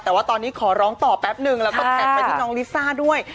แต่ว่าตอนนี้ขอร้องต่อแป๊บนึงแล้วก็แท็กไปที่น้องลิซ่าด้วย